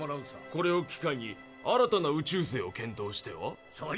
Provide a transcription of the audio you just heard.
これを機会に新たな宇宙税を検討しては？